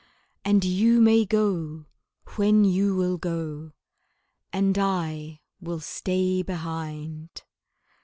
And you may go when you will go, And I will stay behind.